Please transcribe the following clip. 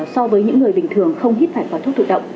so với những người bình thường không hít phải khói thuốc thụ động